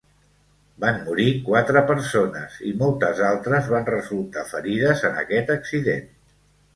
Van morir quatre persones i moltes altres van resultar ferides en aquest accident.